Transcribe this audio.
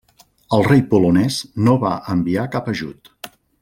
El rei polonès no va enviar cap ajut.